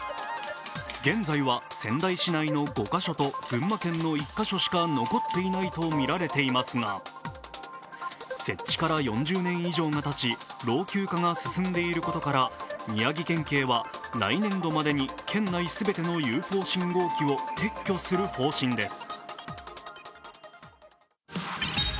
群馬県の１か所しか残っていないと見られていますが設置から４０年以上がたち老朽化が進んでいることから宮城県警は来年度までに県内全てのＵＦＯ信号機を撤去する方針です。